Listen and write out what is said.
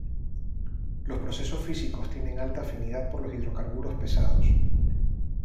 Los procesos físicos tienen alta afinidad por los hidrocarburos pesados.